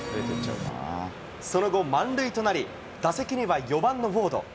その後、満塁となり、打席には４番のウォード。